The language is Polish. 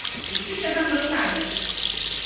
"Już ty się tam dostaniesz!"